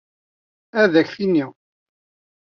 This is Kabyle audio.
Ad ak-t-nini.